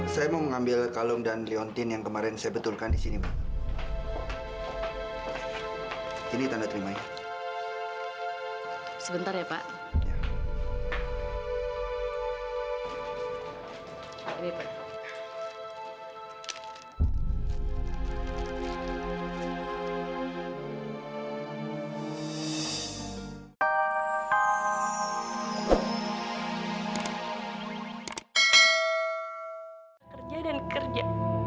sampai jumpa di video selanjutnya